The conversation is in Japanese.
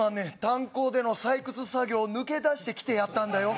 炭鉱での採掘作業抜け出してきてやったんだよ